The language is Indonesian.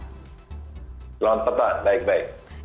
selamat petang baik baik